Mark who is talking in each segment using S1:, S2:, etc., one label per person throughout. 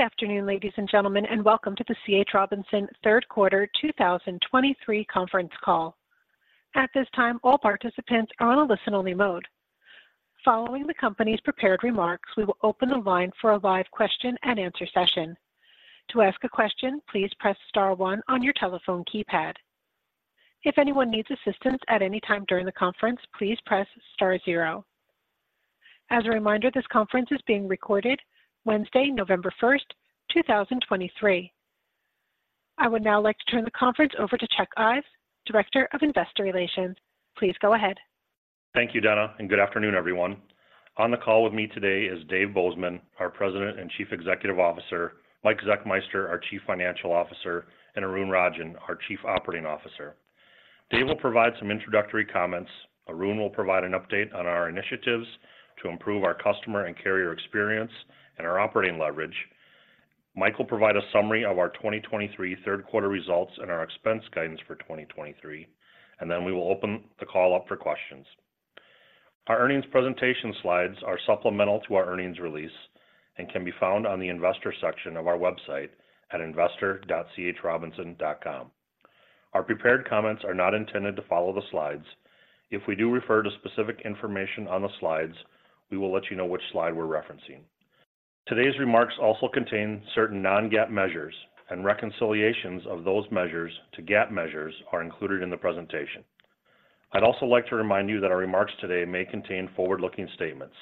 S1: Good afternoon, ladies and gentlemen, and welcome to the C.H. Robinson third quarter 2023 conference call. At this time, all participants are on a listen-only mode. Following the company's prepared remarks, we will open the line for a live question-and-answer session. To ask a question, please press star one on your telephone keypad. If anyone needs assistance at any time during the conference, please press star zero. As a reminder, this conference is being recorded Wednesday, November 1, 2023. I would now like to turn the conference over to Chuck Ives, Director of Investor Relations. Please go ahead.
S2: Thank you, Donna, and good afternoon, everyone. On the call with me today is Dave Bozeman, our President and Chief Executive Officer, Mike Zechmeister, our Chief Financial Officer, and Arun Rajan, our Chief Operating Officer. Dave will provide some introductory comments. Arun will provide an update on our initiatives to improve our customer and carrier experience and our operating leverage. Mike will provide a summary of our 2023 third quarter results and our expense guidance for 2023, and then we will open the call up for questions. Our earnings presentation slides are supplemental to our earnings release and can be found on the investor section of our website at investor.chrobinson.com. Our prepared comments are not intended to follow the slides. If we do refer to specific information on the slides, we will let you know which slide we're referencing. Today's remarks also contain certain non-GAAP measures, and reconciliations of those measures to GAAP measures are included in the presentation. I'd also like to remind you that our remarks today may contain forward-looking statements.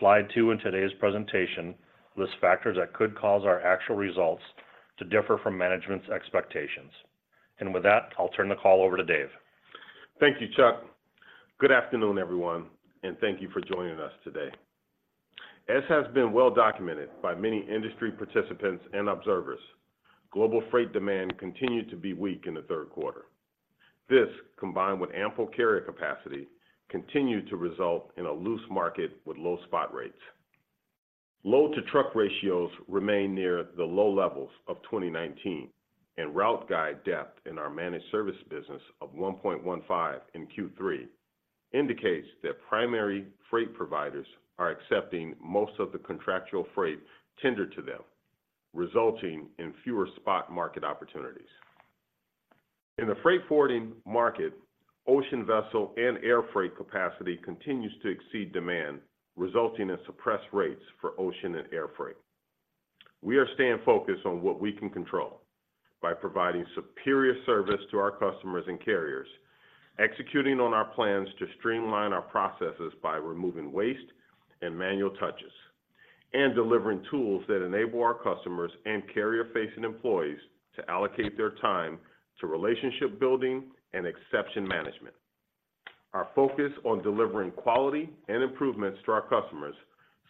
S2: Slide two in today's presentation lists factors that could cause our actual results to differ from management's expectations. With that, I'll turn the call over to Dave.
S3: Thank you, Chuck. Good afternoon, everyone, and thank you for joining us today. As has been well documented by many industry participants and observers, global freight demand continued to be weak in the third quarter. This, combined with ample carrier capacity, continued to result in a loose market with low spot rates. Load-to-truck ratios remain near the low levels of 2019, and route guide depth in our managed service business of 1.15 in Q3 indicates that primary freight providers are accepting most of the contractual freight tendered to them, resulting in fewer spot market opportunities. In the freight forwarding market, ocean vessel and air freight capacity continues to exceed demand, resulting in suppressed rates for ocean and air freight. We are staying focused on what we can control by providing superior service to our customers and carriers, executing on our plans to streamline our processes by removing waste and manual touches, and delivering tools that enable our customers and carrier-facing employees to allocate their time to relationship building and exception management. Our focus on delivering quality and improvements to our customers,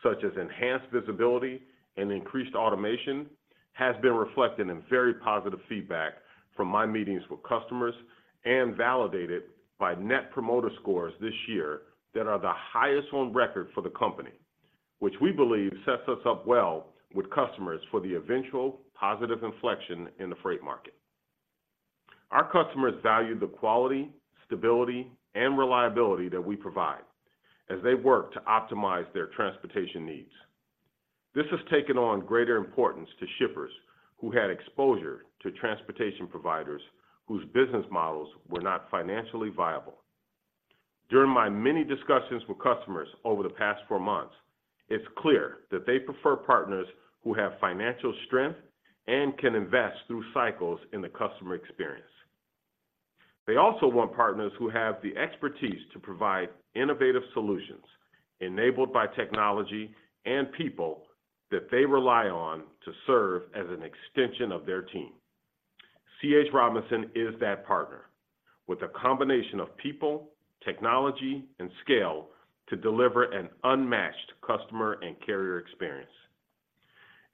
S3: such as enhanced visibility and increased automation, has been reflected in very positive feedback from my meetings with customers and validated by Net Promoter Scores this year that are the highest on record for the company, which we believe sets us up well with customers for the eventual positive inflection in the freight market. Our customers value the quality, stability, and reliability that we provide as they work to optimize their transportation needs. This has taken on greater importance to shippers who had exposure to transportation providers whose business models were not financially viable. During my many discussions with customers over the past four months, it's clear that they prefer partners who have financial strength and can invest through cycles in the customer experience. They also want partners who have the expertise to provide innovative solutions enabled by technology and people that they rely on to serve as an extension of their team. C.H. Robinson is that partner, with a combination of people, technology, and scale to deliver an unmatched customer and carrier experience.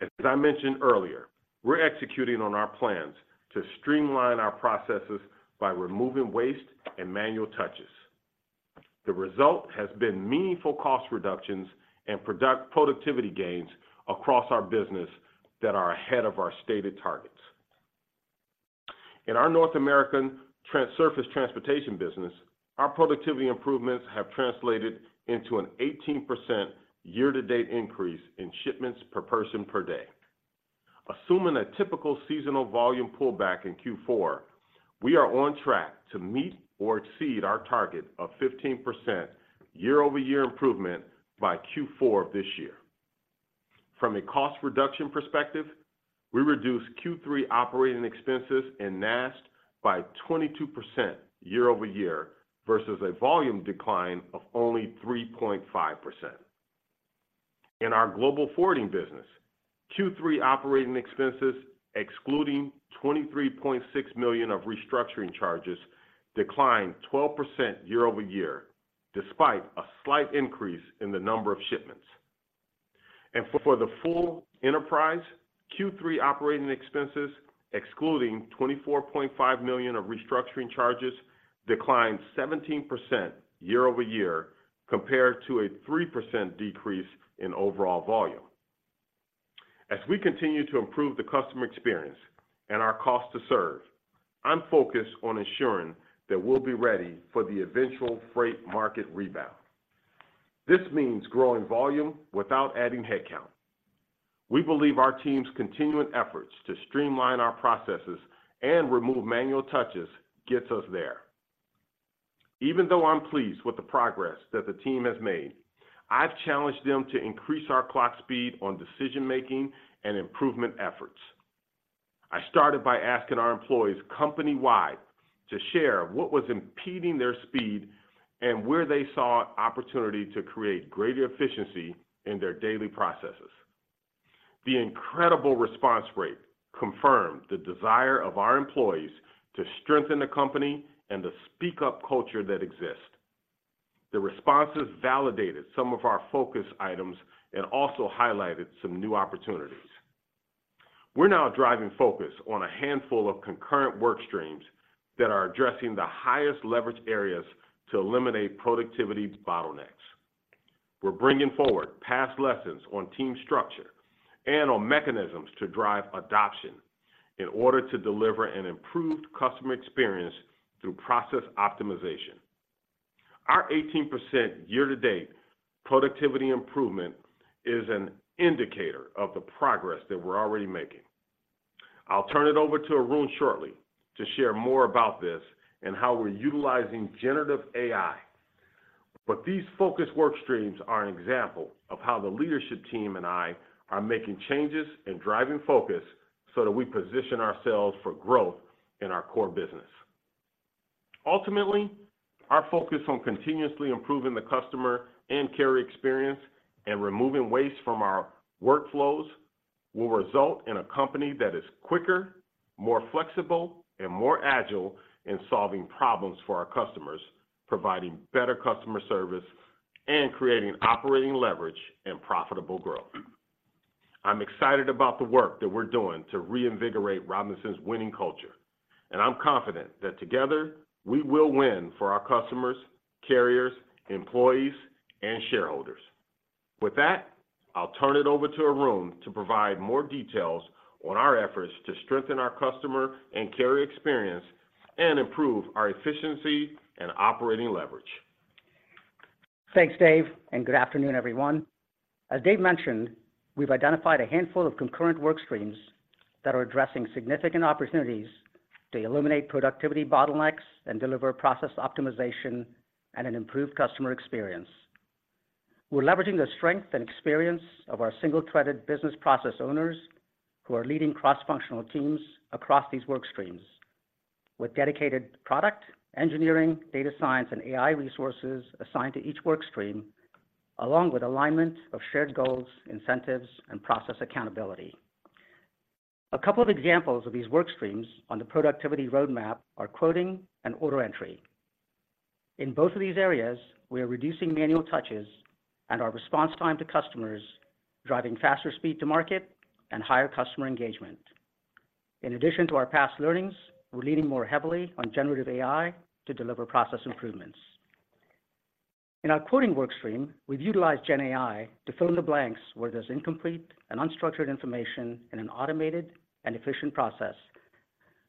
S3: As I mentioned earlier, we're executing on our plans to streamline our processes by removing waste and manual touches. The result has been meaningful cost reductions and productivity gains across our business that are ahead of our stated targets. In our North American Surface Transportation business, our productivity improvements have translated into an 18% year-to-date increase in shipments per person per day. Assuming a typical seasonal volume pullback in Q4, we are on track to meet or exceed our target of 15% year-over-year improvement by Q4 of this year. From a cost reduction perspective, we reduced Q3 operating expenses in NAST by 22% year-over-year versus a volume decline of only 3.5%. InGlobal Forwarding business, Q3 operating expenses, excluding $23.6 million of restructuring charges, declined 12% year-over-year, despite a slight increase in the number of shipments. And for the full enterprise, Q3 operating expenses, excluding $24.5 million of restructuring charges, declined 17% year-over-year compared to a 3% decrease in overall volume. As we continue to improve the customer experience and our cost to serve, I'm focused on ensuring that we'll be ready for the eventual freight market rebound. This means growing volume without adding headcount. We believe our team's continuing efforts to streamline our processes and remove manual touches gets us there. Even though I'm pleased with the progress that the team has made, I've challenged them to increase our clock speed on decision-making and improvement efforts. I started by asking our employees company-wide to share what was impeding their speed and where they saw opportunity to create greater efficiency in their daily processes. The incredible response rate confirmed the desire of our employees to strengthen the company and the speak-up culture that exists. The responses validated some of our focus items and also highlighted some new opportunities. We're now driving focus on a handful of concurrent work streams that are addressing the highest leverage areas to eliminate productivity bottlenecks. We're bringing forward past lessons on team structure and on mechanisms to drive adoption in order to deliver an improved customer experience through process optimization. Our 18% year-to-date productivity improvement is an indicator of the progress that we're already making. I'll turn it over to Arun shortly to share more about this and how we're utilizing generative AI. But these focus work streams are an example of how the leadership team and I are making changes and driving focus so that we position ourselves for growth in our core business. Ultimately, our focus on continuously improving the customer and carrier experience, and removing waste from our workflows, will result in a company that is quicker, more flexible, and more agile in solving problems for our customers, providing better customer service, and creating operating leverage and profitable growth. I'm excited about the work that we're doing to reinvigorate Robinson's winning culture, and I'm confident that together, we will win for our customers, carriers, employees, and shareholders. With that, I'll turn it over to Arun to provide more details on our efforts to strengthen our customer and carrier experience and improve our efficiency and operating leverage.
S4: Thanks, Dave, and good afternoon, everyone. As Dave mentioned, we've identified a handful of concurrent work streams that are addressing significant opportunities to eliminate productivity bottlenecks and deliver process optimization and an improved customer experience. We're leveraging the strength and experience of our single-threaded business process owners, who are leading cross-functional teams across these work streams, with dedicated product, engineering, data science, and AI resources assigned to each work stream, along with alignment of shared goals, incentives, and process accountability. A couple of examples of these work streams on the productivity roadmap are quoting and order entry. In both of these areas, we are reducing manual touches and our response time to customers, driving faster speed to market and higher customer engagement. In addition to our past learnings, we're leaning more heavily on Generative AI to deliver process improvements. In our quoting work stream, we've utilized Gen AI to fill in the blanks where there's incomplete and unstructured information in an automated and efficient process,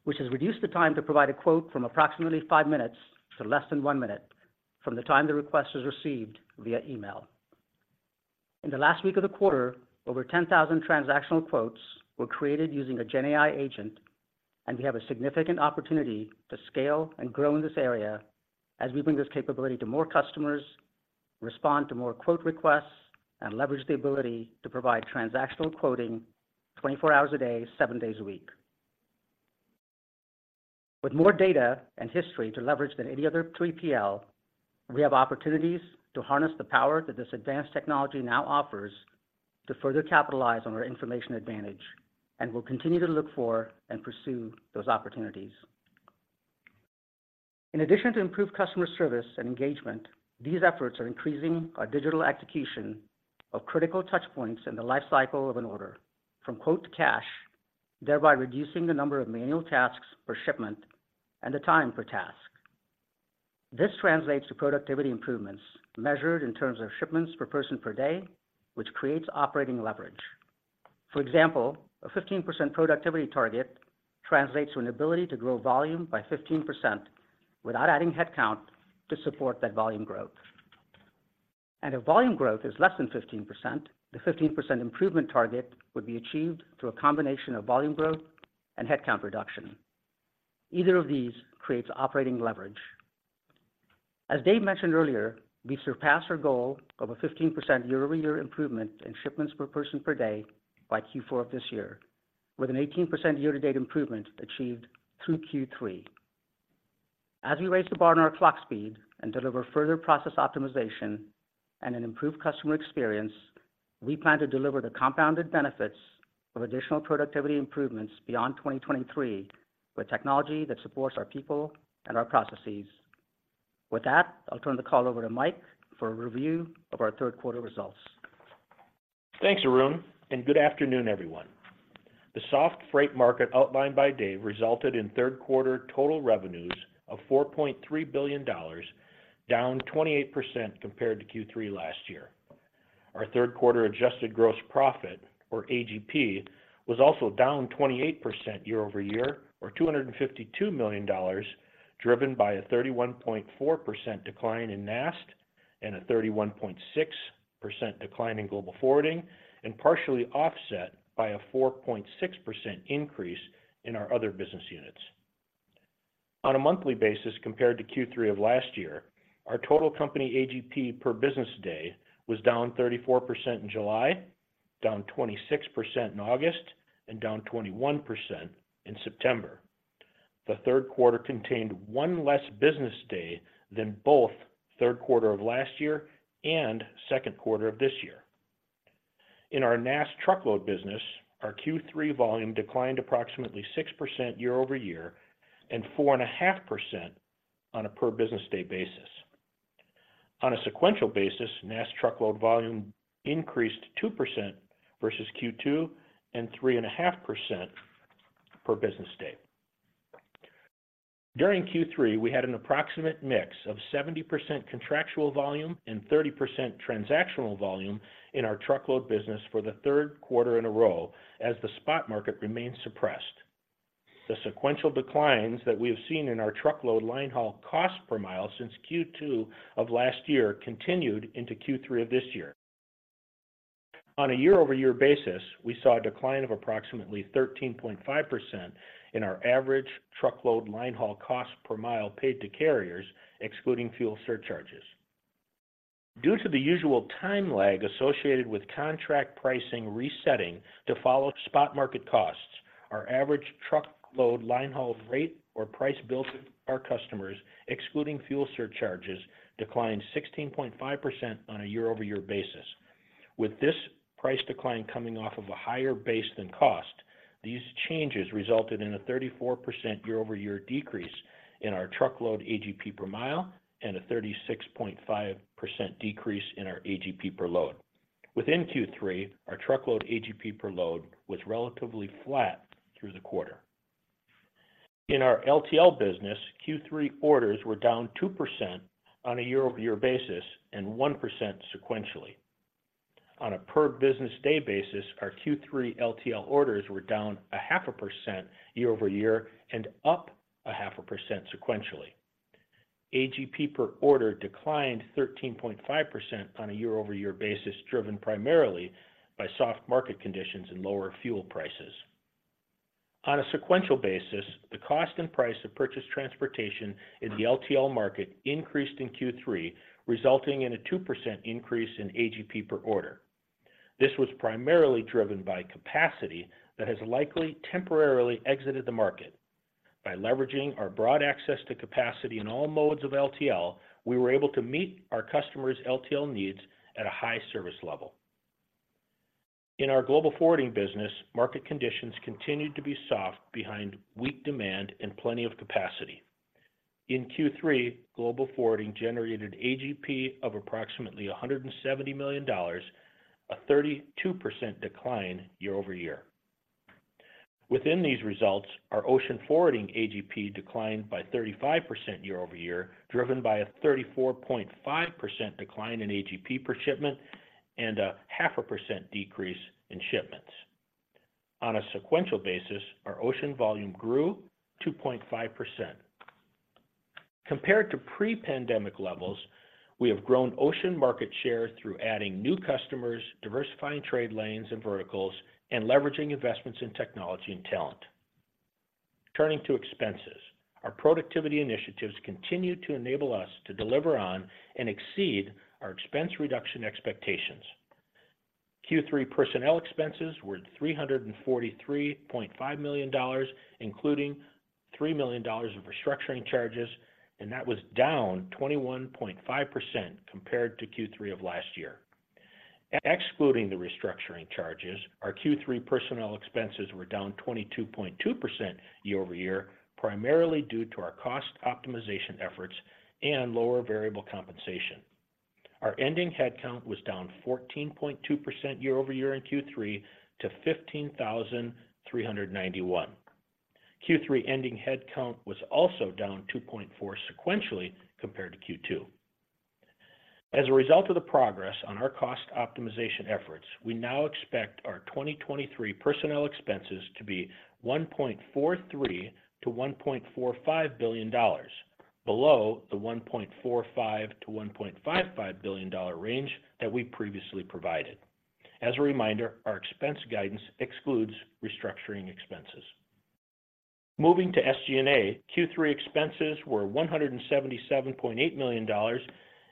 S4: which has reduced the time to provide a quote from approximately five minutes to less than one minute from the time the request is received via email. In the last week of the quarter, over 10,000 transactional quotes were created using a Gen AI agent, and we have a significant opportunity to scale and grow in this area as we bring this capability to more customers, respond to more quote requests, and leverage the ability to provide transactional quoting 24 hours a day, seven days a week. With more data and history to leverage than any other 3PL, we have opportunities to harness the power that this advanced technology now offers to further capitalize on our information advantage, and we'll continue to look for and pursue those opportunities. In addition to improved customer service and engagement, these efforts are increasing our digital execution of critical touch points in the life cycle of an order, from quote to cash, thereby reducing the number of manual tasks per shipment and the time per task. This translates to productivity improvements measured in terms of shipments per person per day, which creates operating leverage. For example, a 15% productivity target translates to an ability to grow volume by 15% without adding headcount to support that volume growth. If volume growth is less than 15%, the 15% improvement target would be achieved through a combination of volume growth and headcount reduction. Either of these creates operating leverage. As Dave mentioned earlier, we surpassed our goal of a 15% year-over-year improvement in shipments per person per day by Q4 of this year, with an 18% year-to-date improvement achieved through Q3. As we raise the bar on our clock speed and deliver further process optimization and an improved customer experience, we plan to deliver the compounded benefits of additional productivity improvements beyond 2023, with technology that supports our people and our processes. With that, I'll turn the call over to Mike for a review of our third quarter results.
S5: Thanks, Arun, and good afternoon, everyone. The soft freight market outlined by Dave resulted in third quarter total revenues of $4.3 billion, down 28% compared to Q3 last year. Our third quarter adjusted gross profit, or AGP, was also down 28% year-over-year, or $252 million, driven by a 31.4% decline in NAST and a 31.6% declineGlobal Forwarding, and partially offset by a 4.6% increase in our other business units. On a monthly basis, compared to Q3 of last year, our total company AGP per business day was down 34% in July, down 26% in August, and down 21% in September. The third quarter contained one less business day than both third quarter of last year and second quarter of this year. In our NAST truckload business, our Q3 volume declined approximately 6% year-over-year and 4.5% on a per business day basis. On a sequential basis, NAST truckload volume increased 2% versus Q2 and 3.5% per business day. During Q3, we had an approximate mix of 70% contractual volume and 30% transactional volume in our truckload business for the third quarter in a row, as the spot market remained suppressed. The sequential declines that we have seen in our truckload line haul cost per mile since Q2 of last year continued into Q3 of this year. On a year-over-year basis, we saw a decline of approximately 13.5% in our average truckload line haul cost per mile paid to carriers, excluding fuel surcharges. Due to the usual time lag associated with contract pricing resetting to follow spot market costs, our average truckload line haul rate or price billed to our customers, excluding fuel surcharges, declined 16.5% on a year-over-year basis. With this price decline coming off of a higher base than cost, these changes resulted in a 34% year-over-year decrease in our truckload AGP per mile and a 36.5% decrease in our AGP per load. Within Q3, our truckload AGP per load was relatively flat through the quarter. In our LTL business, Q3 orders were down 2% on a year-over-year basis and 1% sequentially. On a per business day basis, our Q3 LTL orders were down a half a percent year-over-year and up a half a percent sequentially. AGP per order declined 13.5% on a year-over-year basis, driven primarily by soft market conditions and lower fuel prices. On a sequential basis, the cost and price of purchase transportation in the LTL market increased in Q3, resulting in a 2% increase in AGP per order. This was primarily driven by capacity that has likely temporarily exited the market. By leveraging our broad access to capacity in all modes of LTL, we were able to meet our customers' LTL needs at a high service level. InGlobal Forwarding business, market conditions continued to be soft behind weak demand and plenty of capacity. InGlobal Forwarding generated AGP of approximately $170 million, a 32% decline year-over-year. Within these results, our ocean forwarding AGP declined by 35% year-over-year, driven by a 34.5% decline in AGP per shipment and a 0.5% decrease in shipments. On a sequential basis, our ocean volume grew 2.5%. Compared to pre-pandemic levels, we have grown ocean market share through adding new customers, diversifying trade lanes and verticals, and leveraging investments in technology and talent. Turning to expenses. Our productivity initiatives continue to enable us to deliver on and exceed our expense reduction expectations. Q3 personnel expenses were $343.5 million, including $3 million in restructuring charges, and that was down 21.5% compared to Q3 of last year. Excluding the restructuring charges, our Q3 personnel expenses were down 22.2% year-over-year, primarily due to our cost optimization efforts and lower variable compensation. Our ending headcount was down 14.2% year-over-year in Q3 to 15,391. Q3 ending headcount was also down 2.4 sequentially compared to Q2. As a result of the progress on our cost optimization efforts, we now expect our 2023 personnel expenses to be $1.43 billion-$1.45 billion, below the $1.45 billion-$1.5 billion range that we previously provided. As a reminder, our expense guidance excludes restructuring expenses. Moving to SG&A, Q3 expenses were $177.8 million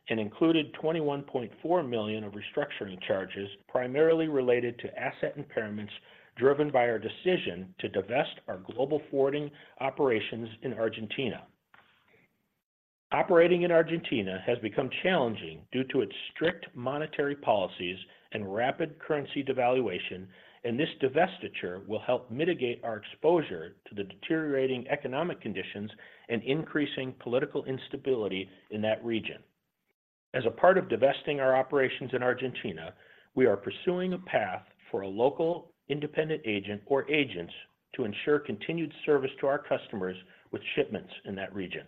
S5: and included $21.4 million of restructuring charges, primarily related to asset impairments, driven by our decision to divestGlobal Forwarding operations in Argentina. Operating in Argentina has become challenging due to its strict monetary policies and rapid currency devaluation, and this divestiture will help mitigate our exposure to the deteriorating economic conditions and increasing political instability in that region. As a part of divesting our operations in Argentina, we are pursuing a path for a local independent agent or agents to ensure continued service to our customers with shipments in that region.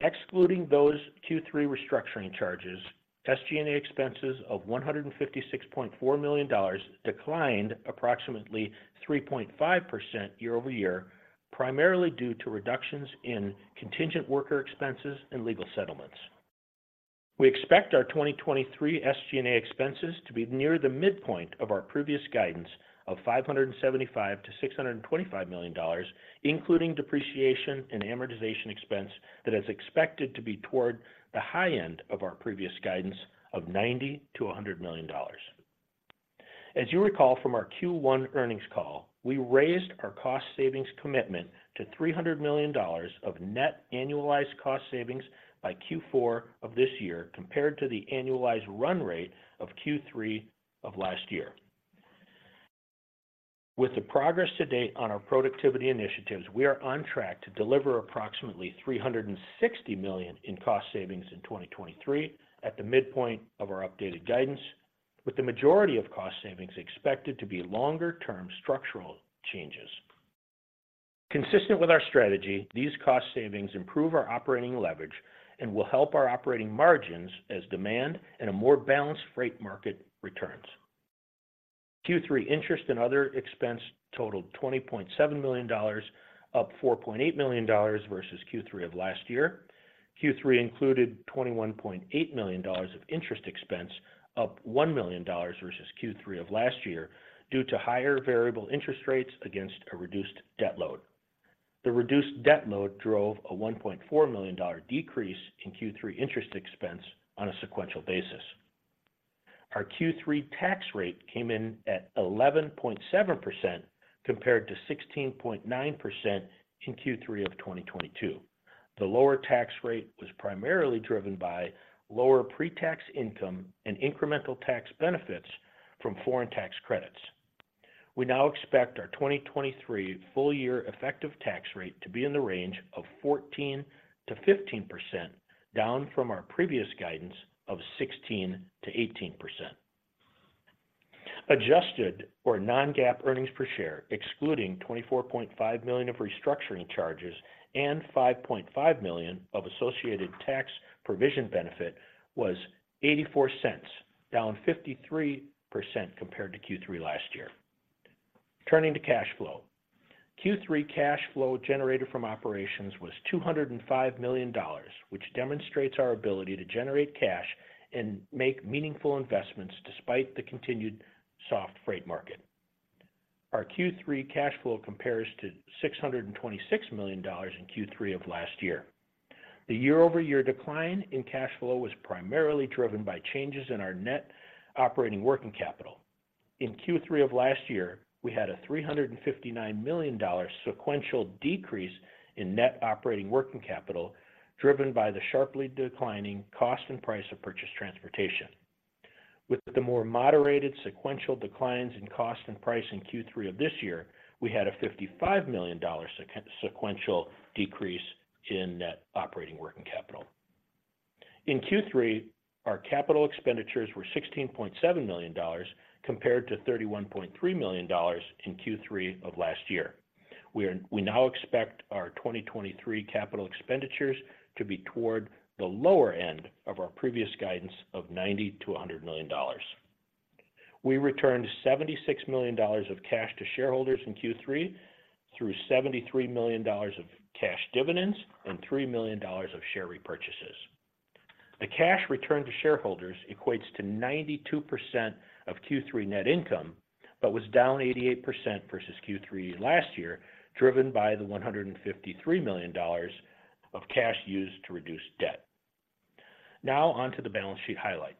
S5: Excluding those Q3 restructuring charges, SG&A expenses of $156.4 million declined approximately 3.5% year-over-year, primarily due to reductions in contingent worker expenses and legal settlements. We expect our 2023 SG&A expenses to be near the midpoint of our previous guidance of $575 million-$625 million, including depreciation and amortization expense that is expected to be toward the high end of our previous guidance of $90 million-$100 million. As you recall from our Q1 earnings call, we raised our cost savings commitment to $300 million of net annualized cost savings by Q4 of this year, compared to the annualized run rate of Q3 of last year. With the progress to date on our productivity initiatives, we are on track to deliver approximately $360 million in cost savings in 2023, at the midpoint of our updated guidance, with the majority of cost savings expected to be longer term structural changes. Consistent with our strategy, these cost savings improve our operating leverage and will help our operating margins as demand and a more balanced freight market returns. Q3 interest and other expense totaled $20.7 million, up $4.8 million versus Q3 of last year. Q3 included $21.8 million of interest expense, up $1 million versus Q3 of last year, due to higher variable interest rates against a reduced debt load. The reduced debt load drove a $1.4 million dollar decrease in Q3 interest expense on a sequential basis. Our Q3 tax rate came in at 11.7%, compared to 16.9% in Q3 of 2022. The lower tax rate was primarily driven by lower pre-tax income and incremental tax benefits from foreign tax credits. We now expect our 2023 full year effective tax rate to be in the range of 14%-15%, down from our previous guidance of 16%-18%. Adjusted or non-GAAP earnings per share, excluding $24.5 million of restructuring charges and $5.5 million of associated tax provision benefit, was $0.84, down 53% compared to Q3 last year. Turning to cash flow. Q3 cash flow generated from operations was $205 million, which demonstrates our ability to generate cash and make meaningful investments despite the continued soft freight market. Our Q3 cash flow compares to $626 million in Q3 of last year. The year-over-year decline in cash flow was primarily driven by changes in our net operating working capital. In Q3 of last year, we had a $359 million sequential decrease in net operating working capital, driven by the sharply declining cost and price of purchase transportation. With the more moderated sequential declines in cost and price in Q3 of this year, we had a $55 million sequential decrease in net operating working capital. In Q3, our capital expenditures were $16.7 million, compared to $31.3 million in Q3 of last year. We now expect our 2023 capital expenditures to be toward the lower end of our previous guidance of $90 million-$100 million. We returned $76 million of cash to shareholders in Q3, through $73 million of cash dividends and $3 million of share repurchases. The cash returned to shareholders equates to 92% of Q3 net income, but was down 88% versus Q3 last year, driven by the $153 million of cash used to reduce debt. Now, onto the balance sheet highlights.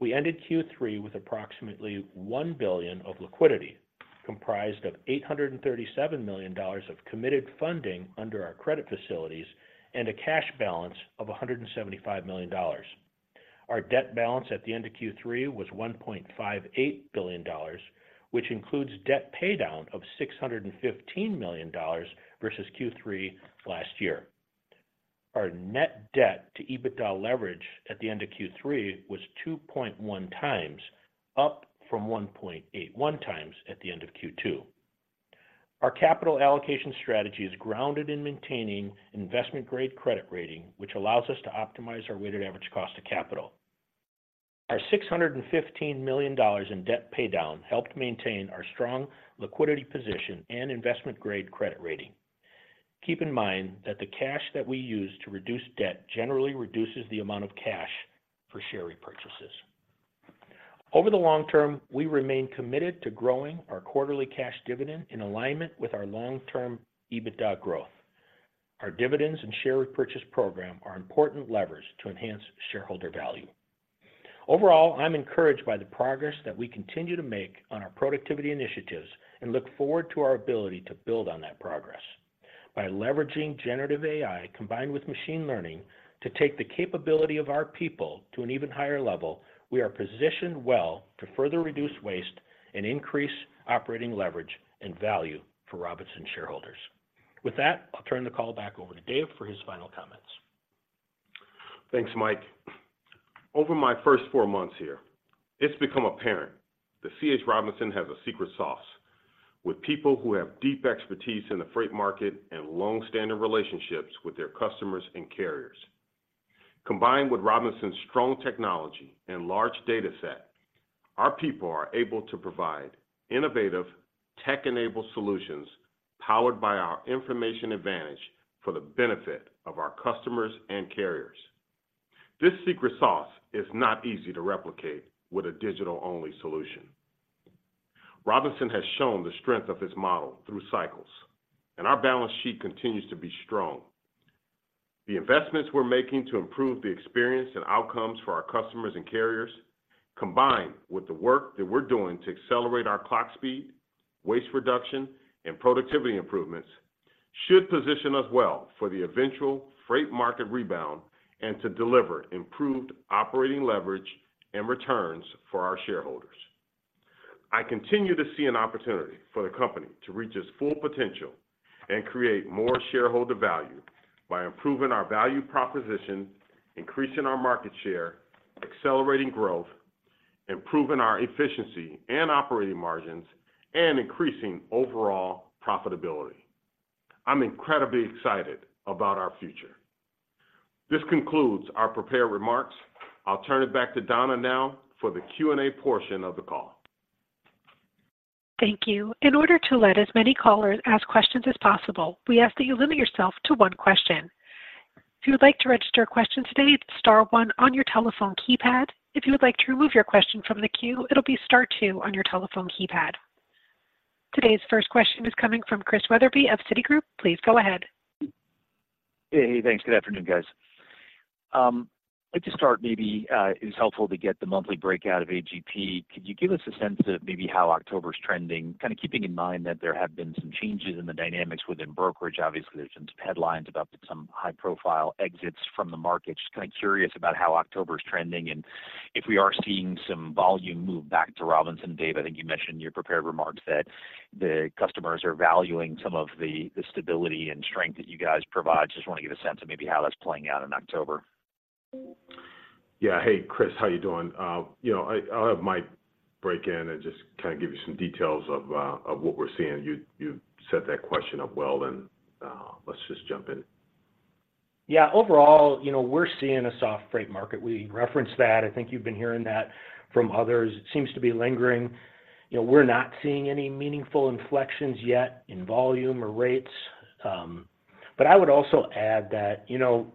S5: We ended Q3 with approximately $1 billion of liquidity, comprised of $837 million of committed funding under our credit facilities and a cash balance of $175 million. Our debt balance at the end of Q3 was $1.58 billion, which includes debt paydown of $615 million versus Q3 last year. Our net debt to EBITDA leverage at the end of Q3 was 2.1 times, up from 1.81 times at the end of Q2. Our capital allocation strategy is grounded in maintaining investment-grade credit rating, which allows us to optimize our weighted average cost of capital. Our $615 million in debt paydown helped maintain our strong liquidity position and investment-grade credit rating. Keep in mind that the cash that we use to reduce debt generally reduces the amount of cash for share repurchases. Over the long term, we remain committed to growing our quarterly cash dividend in alignment with our long-term EBITDA growth. Our dividends and share repurchase program are important levers to enhance shareholder value. Overall, I'm encouraged by the progress that we continue to make on our productivity initiatives and look forward to our ability to build on that progress. By leveraging generative AI, combined with machine learning, to take the capability of our people to an even higher level, we are positioned well to further reduce waste and increase operating leverage and value for Robinson shareholders. With that, I'll turn the call back over to Dave for his final comments....
S3: Thanks, Mike. Over my first four months here, it's become apparent that C.H. Robinson has a secret sauce, with people who have deep expertise in the freight market and long-standing relationships with their customers and carriers. Combined with Robinson's strong technology and large data set, our people are able to provide innovative, tech-enabled solutions powered by our information advantage for the benefit of our customers and carriers. This secret sauce is not easy to replicate with a digital-only solution. Robinson has shown the strength of this model through cycles, and our balance sheet continues to be strong. The investments we're making to improve the experience and outcomes for our customers and carriers, combined with the work that we're doing to accelerate our clock speed, waste reduction, and productivity improvements, should position us well for the eventual freight market rebound and to deliver improved operating leverage and returns for our shareholders. I continue to see an opportunity for the company to reach its full potential and create more shareholder value by improving our value proposition, increasing our market share, accelerating growth, improving our efficiency and operating margins, and increasing overall profitability. I'm incredibly excited about our future. This concludes our prepared remarks. I'll turn it back to Donna now for the Q&A portion of the call.
S1: Thank you. In order to let as many callers ask questions as possible, we ask that you limit yourself to one question. If you would like to register a question today, star one on your telephone keypad. If you would like to remove your question from the queue, it'll be star two on your telephone keypad. Today's first question is coming from Chris Wetherbee of Citigroup. Please go ahead.
S6: Hey, thanks. Good afternoon, guys. Like to start, maybe, it's helpful to get the monthly breakout of AGP. Could you give us a sense of maybe how October is trending? Kinda keeping in mind that there have been some changes in the dynamics within brokerage. Obviously, there's been some headlines about some high-profile exits from the market. Just kinda curious about how October is trending, and if we are seeing some volume move back to Robinson. Dave, I think you mentioned in your prepared remarks that the customers are valuing some of the, the stability and strength that you guys provide. Just want to get a sense of maybe how that's playing out in October.
S3: Yeah. Hey, Chris, how you doing? You know, I, I'll have Mike break in and just kinda give you some details of, of what we're seeing. You set that question up well, and, let's just jump in.
S5: Yeah, overall, you know, we're seeing a soft freight market. We referenced that. I think you've been hearing that from others. It seems to be lingering. You know, we're not seeing any meaningful inflections yet in volume or rates. But I would also add that, you know,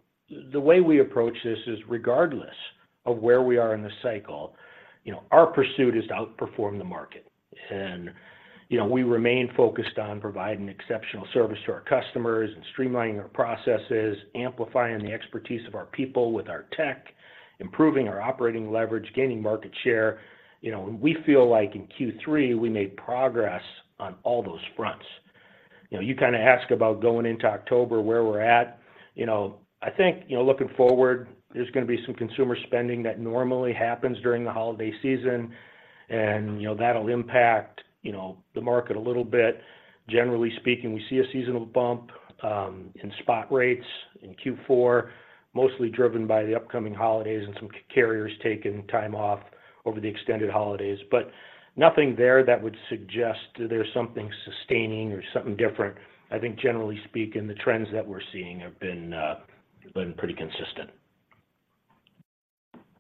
S5: the way we approach this is regardless of where we are in the cycle, you know, our pursuit is to outperform the market. You know, we remain focused on providing exceptional service to our customers and streamlining our processes, amplifying the expertise of our people with our tech, improving our operating leverage, gaining market share. You know, and we feel like in Q3, we made progress on all those fronts. You know, you kinda asked about going into October, where we're at. You know, I think, you know, looking forward, there's going to be some consumer spending that normally happens during the holiday season, and, you know, that'll impact, you know, the market a little bit. Generally speaking, we see a seasonal bump in spot rates in Q4, mostly driven by the upcoming holidays and some carriers taking time off over the extended holidays. But nothing there that would suggest there's something sustaining or something different. I think generally speaking, the trends that we're seeing have been pretty consistent.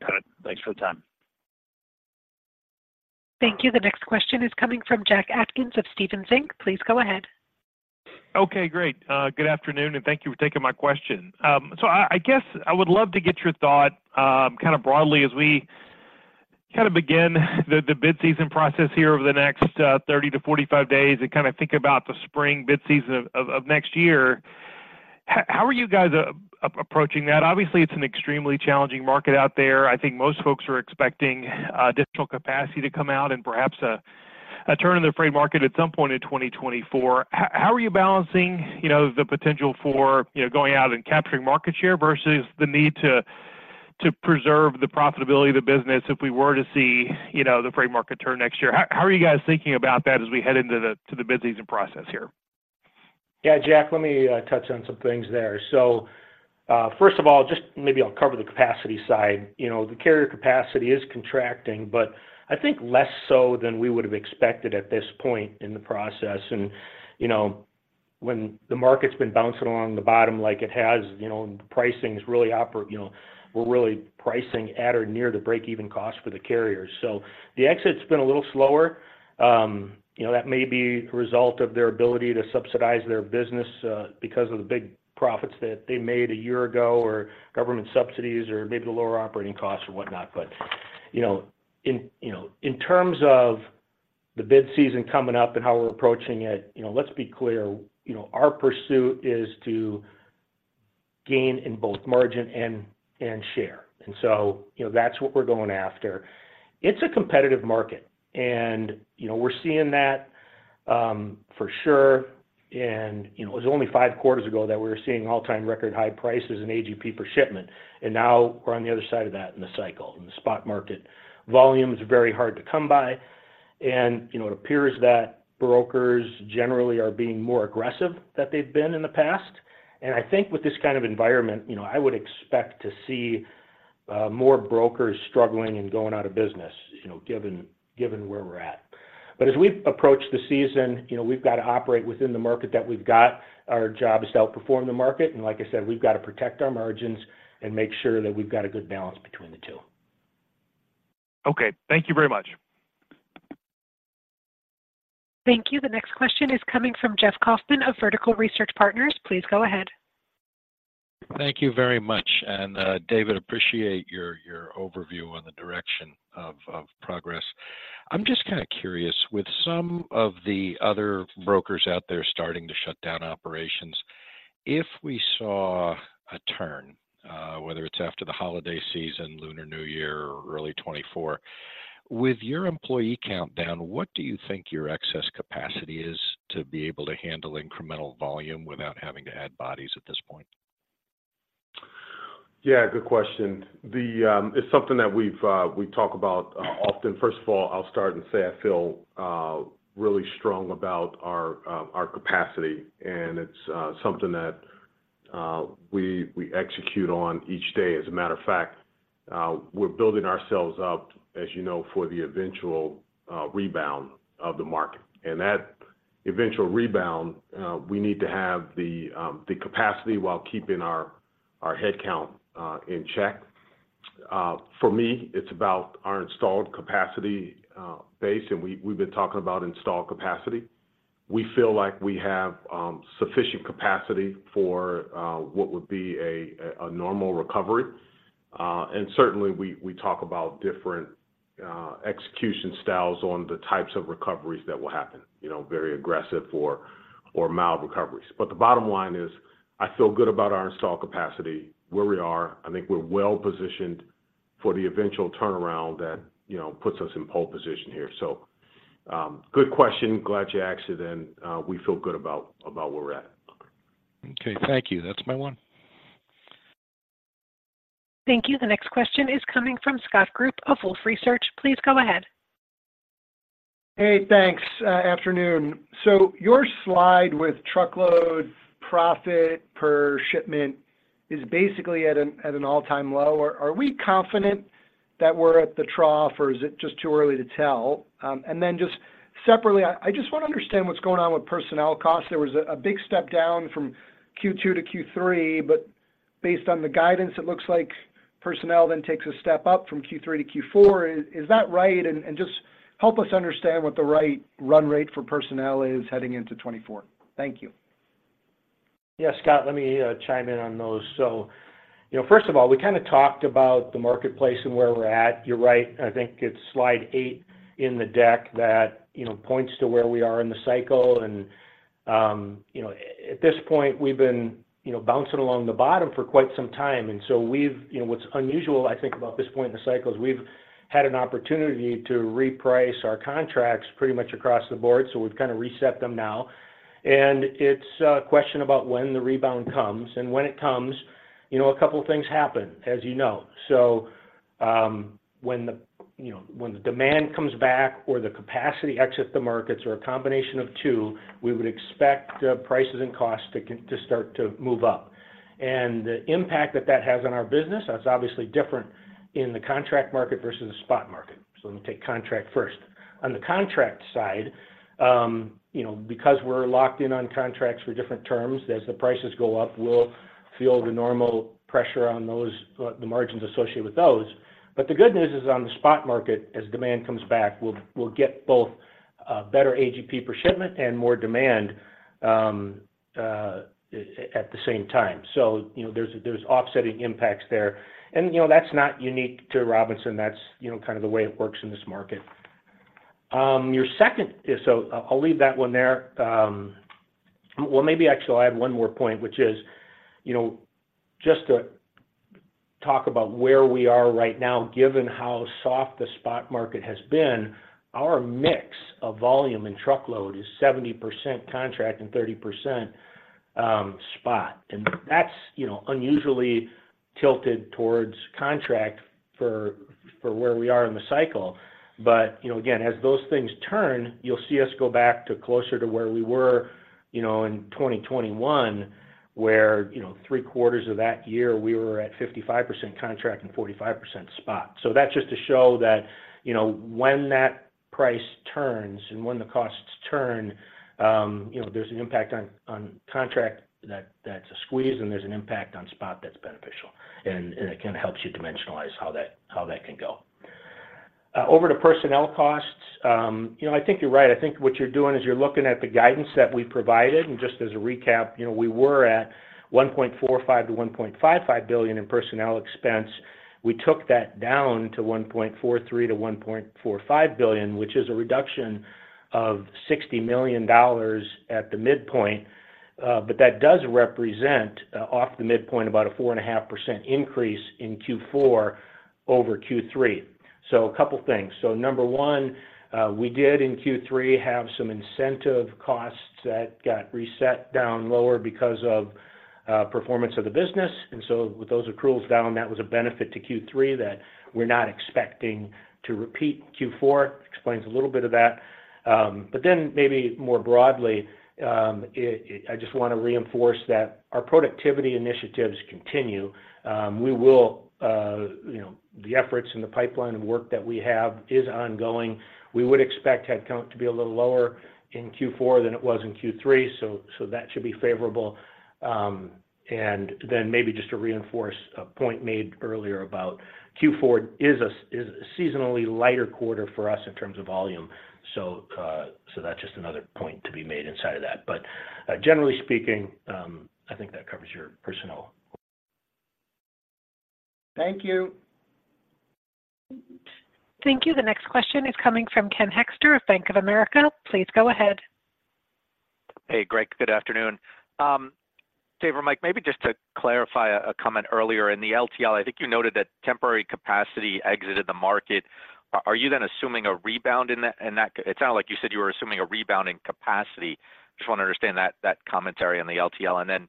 S6: Got it. Thanks for the time.
S1: Thank you. The next question is coming from Jack Atkins of Stephens Inc. Please go ahead.
S7: Okay, great. Good afternoon, and thank you for taking my question. So I guess I would love to get your thought kinda broadly as we kind of begin the bid-season process here over the next 30-45 days and kinda think about the spring bid-season of next year. How are you guys approaching that? Obviously, it's an extremely challenging market out there. I think most folks are expecting additional capacity to come out and perhaps a turn in the freight market at some point in 2024. How are you balancing, you know, the potential for, you know, going out and capturing market share versus the need to preserve the profitability of the business if we were to see, you know, the freight market turn next year? How are you guys thinking about that as we head to the bid-season process here?
S5: Yeah, Jack, let me touch on some things there. So, first of all, just maybe I'll cover the capacity side. You know, the carrier capacity is contracting, but I think less so than we would have expected at this point in the process, and, you know, when the market's been bouncing along the bottom like it has, you know, pricing is really you know, we're really pricing at or near the break-even cost for the carriers. So the exit's been a little slower. You know, that may be a result of their ability to subsidize their business, because of the big profits that they made a year ago, or government subsidies, or maybe the lower operating costs or whatnot. But, you know, in, you know, in terms of the bid season coming up and how we're approaching it, you know, let's be clear, you know, our pursuit is to gain in both margin and, and share. And so, you know, that's what we're going after. It's a competitive market, and, you know, we're seeing that, for sure. And, you know, it was only five quarters ago that we were seeing all-time record high prices in AGP per shipment, and now we're on the other side of that in the cycle. In the spot market, volume is very hard to come by... and, you know, it appears that brokers generally are being more aggressive than they've been in the past. I think with this kind of environment, you know, I would expect to see more brokers struggling and going out of business, you know, given where we're at. But as we approach the season, you know, we've got to operate within the market that we've got. Our job is to outperform the market, and like I said, we've got to protect our margins and make sure that we've got a good balance between the two.
S7: Okay. Thank you very much.
S1: Thank you. The next question is coming from Jeff Kaufman of Vertical Research Partners. Please go ahead.
S8: Thank you very much. And, David, appreciate your, your overview on the direction of, of progress. I'm just kind of curious, with some of the other brokers out there starting to shut down operations, if we saw a turn, whether it's after the holiday season, Lunar New Year, or early 2024, with your employee count down, what do you think your excess capacity is to be able to handle incremental volume without having to add bodies at this point?
S3: Yeah, good question. It's something that we talk about often. First of all, I'll start and say I feel really strong about our capacity, and it's something that we execute on each day. As a matter of fact, we're building ourselves up, as you know, for the eventual rebound of the market. And that eventual rebound, we need to have the capacity while keeping our head count in check. For me, it's about our installed capacity base, and we've been talking about installed capacity. We feel like we have sufficient capacity for what would be a normal recovery. And certainly we talk about different execution styles on the types of recoveries that will happen, you know, very aggressive or mild recoveries. But the bottom line is, I feel good about our installed capacity, where we are. I think we're well-positioned for the eventual turnaround that, you know, puts us in pole position here. So, good question. Glad you asked it, and we feel good about where we're at.
S8: Okay, thank you. That's my one.
S1: Thank you. The next question is coming from Scott Group of Wolfe Research. Please go ahead.
S9: Hey, thanks. Afternoon. So your slide with truckload profit per shipment is basically at an all-time low. Are we confident that we're at the trough, or is it just too early to tell? And then just separately, I just want to understand what's going on with personnel costs. There was a big step down from Q2 to Q3, but based on the guidance, it looks like personnel then takes a step up from Q3 to Q4. Is that right? And just help us understand what the right run rate for personnel is heading into 2024. Thank you.
S5: Yeah, Scott, let me chime in on those. So, you know, first of all, we kind of talked about the marketplace and where we're at. You're right, I think it's slide eight in the deck that, you know, points to where we are in the cycle. And, you know, at this point, we've been, you know, bouncing along the bottom for quite some time, and so we've... You know, what's unusual, I think, about this point in the cycle is we've had an opportunity to reprice our contracts pretty much across the board, so we've kind of reset them now, and it's a question about when the rebound comes and when it comes, you know, a couple of things happen, as you know. So, when the demand comes back or the capacity exits the markets or a combination of two, we would expect prices and costs to start to move up. And the impact that that has on our business, that's obviously different in the contract market versus the spot market. So let me take contract first. On the contract side, you know, because we're locked in on contracts for different terms, as the prices go up, we'll feel the normal pressure on those, the margins associated with those. But the good news is on the spot market, as demand comes back, we'll get both better AGP per shipment and more demand at the same time. So, you know, there's offsetting impacts there. And, you know, that's not unique to Robinson. That's, you know, kind of the way it works in this market. Your second is... So I'll leave that one there. Well, maybe actually I have one more point, which is, you know, just to talk about where we are right now, given how soft the spot market has been, our mix of volume and truckload is 70% contract and 30% spot. And that's, you know, unusually tilted towards contract for where we are in the cycle. But, you know, again, as those things turn, you'll see us go back to closer to where we were, you know, in 2021, where, you know, three quarters of that year, we were at 55% contract and 45% spot. So that's just to show that, you know, when that price turns and when the costs turn, you know, there's an impact on contract that's a squeeze, and there's an impact on spot that's beneficial. And it kind of helps you dimensionalize how that can go. Over to personnel costs, you know, I think you're right. I think what you're doing is you're looking at the guidance that we provided, and just as a recap, you know, we were at $1.45 billion-$1.55 billion in personnel expense. We took that down to $1.43 billion-$1.45 billion, which is a reduction of $60 million at the midpoint. But that does represent, off the midpoint, about a 4.5% increase in Q4 over Q3. So a couple things. So number one, we did in Q3 have some incentive costs that got reset down lower because of performance of the business. And so with those accruals down, that was a benefit to Q3 that we're not expecting to repeat. Q4 explains a little bit of that. But then maybe more broadly, it, I just want to reinforce that our productivity initiatives continue. We will, you know, the efforts and the pipeline of work that we have is ongoing. We would expect head count to be a little lower in Q4 than it was in Q3, so, so that should be favorable. And then maybe just to reinforce a point made earlier about Q4 is a seasonally lighter quarter for us in terms of volume. So, that's just another point to be made inside of that. But, generally speaking, I think that covers your personnel.
S9: Thank you.
S1: Thank you. The next question is coming from Ken Hoexter of Bank of America. Please go ahead.
S10: Hey, Greg, good afternoon. Dave or Mike, maybe just to clarify a comment earlier, in the LTL, I think you noted that temporary capacity exited the market. Are you then assuming a rebound in that- in that...? It sounded like you said you were assuming a rebound in capacity. Just want to understand that commentary on the LTL. And then,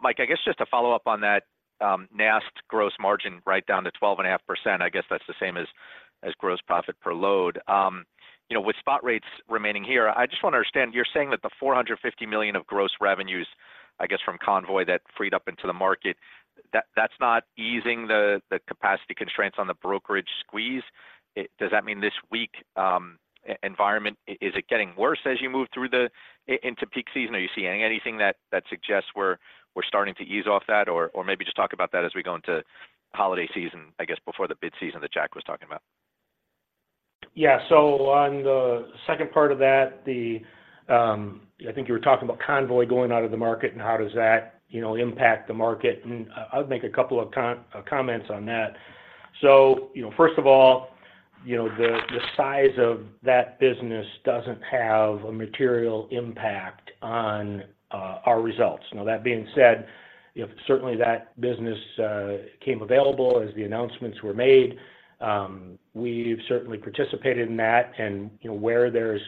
S10: Mike, I guess just to follow up on that, NAST gross margin right down to 12.5%, I guess that's the same as gross profit per load. You know, with spot rates remaining here, I just want to understand, you're saying that the $450 million of gross revenues, I guess, from Convoy that freed up into the market, that's not easing the capacity constraints on the brokerage squeeze? Does that mean this weak environment is it getting worse as you move through into peak season, or are you seeing anything that suggests we're starting to ease off that? Or maybe just talk about that as we go into holiday season, I guess, before the bid season that Jack was talking about.
S5: Yeah. So on the second part of that, the... I think you were talking about Convoy going out of the market, and how does that, you know, impact the market? And I'll make a couple of comments on that. So, you know, first of all, you know, the size of that business doesn't have a material impact on our results. Now, that being said, if certainly that business came available as the announcements were made, we've certainly participated in that. And, you know, where there's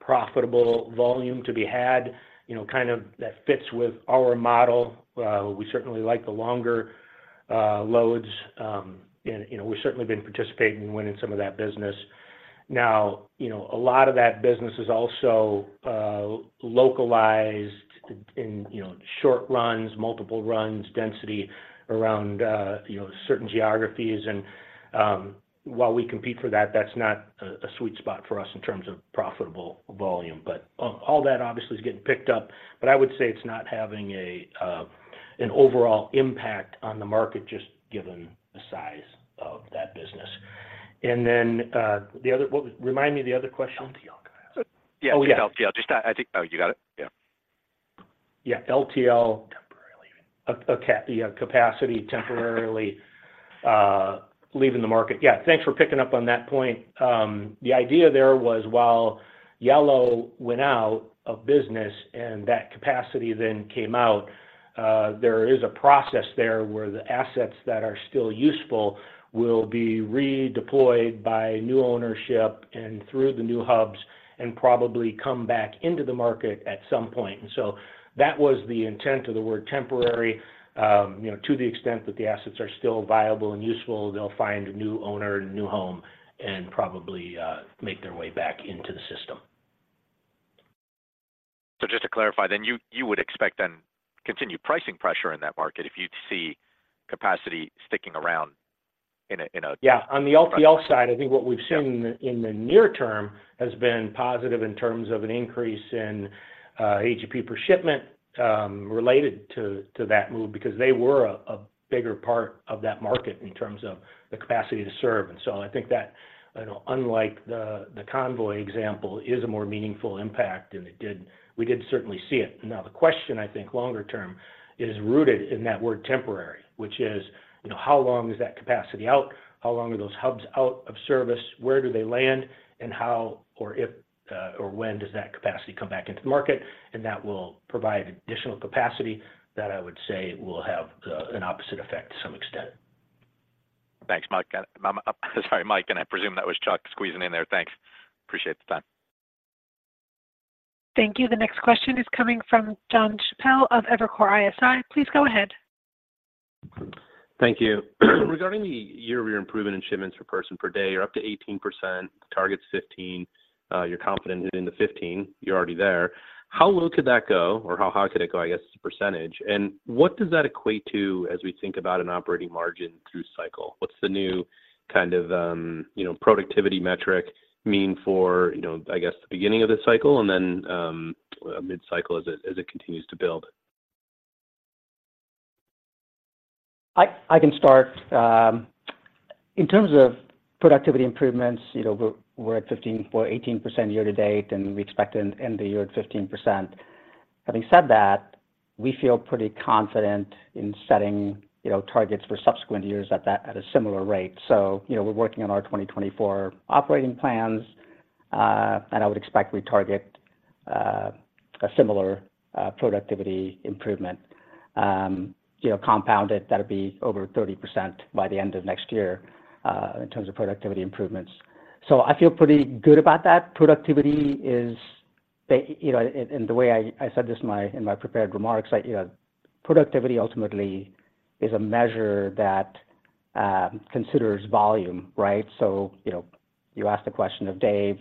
S5: profitable volume to be had, you know, kind of that fits with our model, we certainly like the longer loads, and, you know, we've certainly been participating and winning some of that business. Now, you know, a lot of that business is also localized in, you know, short runs, multiple runs, density around, you know, certain geographies. And while we compete for that, that's not a sweet spot for us in terms of profitable volume. But all that obviously is getting picked up, but I would say it's not having an overall impact on the market, just given the size of that business. And then the other—what was... Remind me the other question?
S4: LTL.
S10: Yeah, LTL.
S5: Oh, yeah.
S10: Just, I think... Oh, you got it? Yeah.
S5: Yeah, LTL.
S4: Temporarily.
S5: Yeah, capacity temporarily leaving the market. Yeah, thanks for picking up on that point. The idea there was while Yellow went out of business and that capacity then came out, there is a process there where the assets that are still useful will be redeployed by new ownership and through the new hubs, and probably come back into the market at some point. And so that was the intent of the word temporary. You know, to the extent that the assets are still viable and useful, they'll find a new owner and a new home, and probably make their way back into the system.
S10: Just to clarify, you would expect continued pricing pressure in that market if you'd see capacity sticking around in a-
S5: Yeah. On the LTL side, I think what we've seen-
S10: Yeah...
S5: in the near term, has been positive in terms of an increase in AGP per shipment, related to that move, because they were a bigger part of that market in terms of the capacity to serve. And so I think that, you know, unlike the Convoy example, is a more meaningful impact, and we did certainly see it. Now, the question, I think, longer term, is rooted in that word, temporary, which is, you know, how long is that capacity out? How long are those hubs out of service? Where do they land? And how or if, or when does that capacity come back into the market? And that will provide additional capacity that I would say will have an opposite effect to some extent.
S10: Thanks, Mike. Sorry, Mike, and I presume that was Chuck squeezing in there. Thanks. Appreciate the time.
S1: Thank you. The next question is coming from Jon Chappell of Evercore ISI. Please go ahead.
S11: Thank you. Regarding the year-over-year improvement in shipments per person per day, you're up to 18%, target's 15%. You're confident in the 15%, you're already there. How low could that go, or how high could it go, I guess, as a percentage? And what does that equate to as we think about an operating margin through cycle? What's the new kind of, you know, productivity metric mean for, you know, I guess, the beginning of this cycle and then, mid-cycle as it continues to build?
S3: I can start. In terms of productivity improvements, you know, we're at 15.18% year to date, and we expect in the year at 15%. Having said that, we feel pretty confident in setting, you know, targets for subsequent years at that, at a similar rate. So, you know, we're working on our 2024 operating plans, and I would expect we target a similar productivity improvement. You know, compounded, that'll be over 30% by the end of next year, in terms of productivity improvements. So I feel pretty good about that. Productivity is the, you know, and the way I said this in my prepared remarks, like, you know, productivity ultimately is a measure that considers volume, right?
S4: So, you know, you asked the question of, "Dave,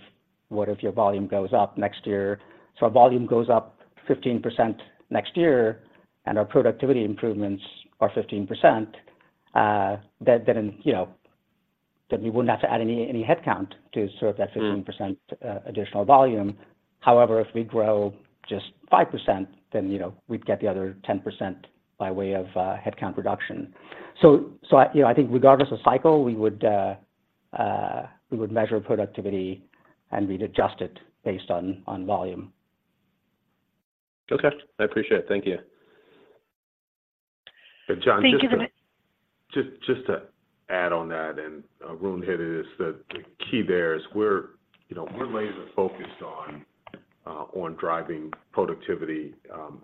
S4: what if your volume goes up next year?" So our volume goes up 15% next year, and our productivity improvements are 15%, then, you know, then we wouldn't have to add any headcount to serve that 15%-
S5: Mm.
S4: Additional volume. However, if we grow just 5%, then, you know, we'd get the other 10% by way of headcount reduction. So, I, you know, I think regardless of cycle, we would measure productivity, and we'd adjust it based on volume.
S11: Okay. I appreciate it. Thank you.
S3: And John, just to-
S1: Thank you very much.
S3: Just to add on that, Arun hit it, the key there is we're laser focused on driving productivity,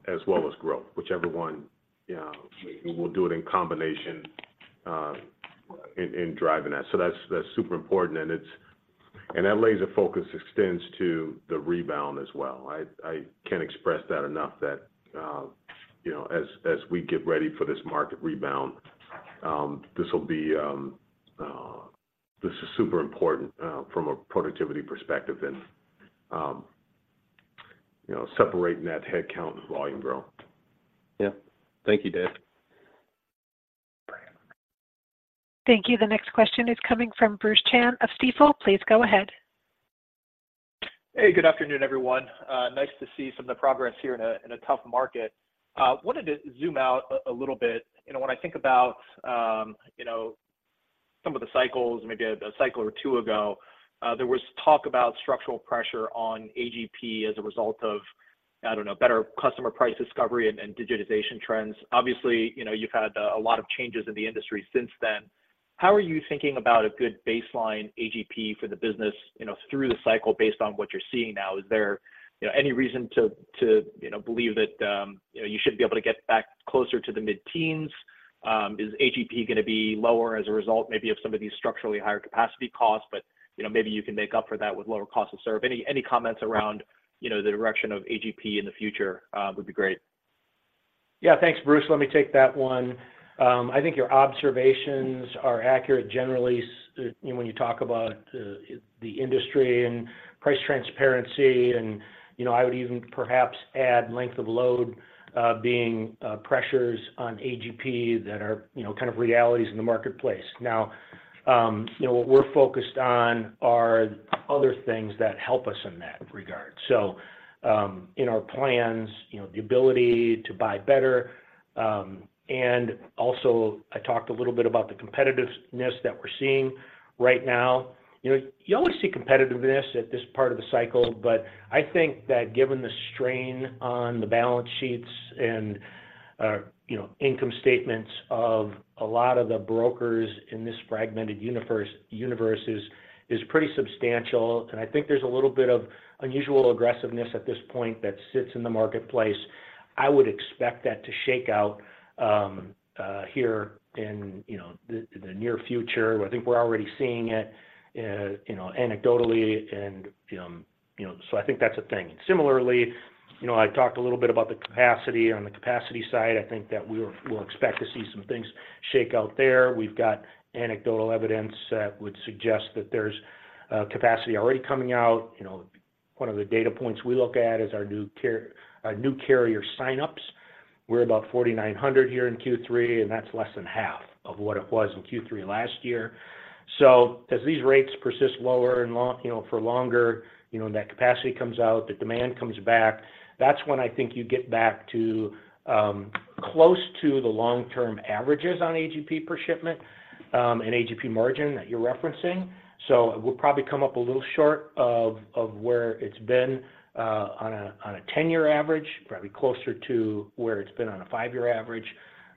S3: as well as growth, whichever one, we'll do it in combination, in driving that. That's super important, and that laser focus extends to the rebound as well. I can't express that enough that, you know, as we get ready for this market rebound, this will be, this is super important, from a productivity perspective and, you know, separating that headcount and volume growth.
S11: Yeah. Thank you, Dave.
S1: Thank you. The next question is coming from Bruce Chan of Stifel. Please go ahead.
S12: Hey, good afternoon, everyone. Nice to see some of the progress here in a tough market. Wanted to zoom out a little bit. You know, when I think about, you know, some of the cycles, maybe a cycle or two ago, there was talk about structural pressure on AGP as a result of, I don't know, better customer price discovery and digitization trends. Obviously, you know, you've had a lot of changes in the industry since then. How are you thinking about a good baseline AGP for the business, you know, through the cycle, based on what you're seeing now? Is there, you know, any reason to, you know, believe that, you know, you should be able to get back closer to the mid-teens? Is AGP going to be lower as a result, maybe of some of these structurally higher capacity costs, but, you know, maybe you can make up for that with lower cost to serve? Any, any comments around, you know, the direction of AGP in the future, would be great.
S5: Yeah. Thanks, Bruce. Let me take that one. I think your observations are accurate. Generally, you know, when you talk about the industry and price transparency, and, you know, I would even perhaps add length of load being pressures on AGP that are, you know, kind of realities in the marketplace. Now, you know, what we're focused on are other things that help us in that regard. So, in our plans, you know, the ability to buy better, and also, I talked a little bit about the competitiveness that we're seeing right now. You know, you always see competitiveness at this part of the cycle, but I think that given the strain on the balance sheets and, you know, income statements of a lot of the brokers in this fragmented universe is pretty substantial, and I think there's a little bit of unusual aggressiveness at this point that sits in the marketplace. I would expect that to shake out here in the near future. I think we're already seeing it, you know, anecdotally and, you know, so I think that's a thing. Similarly, you know, I talked a little bit about the capacity. On the capacity side, I think that we'll expect to see some things shake out there. We've got anecdotal evidence that would suggest that there's capacity already coming out. You know, one of the data points we look at is our new carrier, our new carrier sign-ups. We're about 4,900 here in Q3, and that's less than half of what it was in Q3 last year. So as these rates persist lower and long, you know, for longer, you know, and that capacity comes out, the demand comes back, that's when I think you get back to close to the long-term averages on AGP per shipment and AGP margin that you're referencing. So it will probably come up a little short of where it's been on a 10-year average, probably closer to where it's been on a five-year average.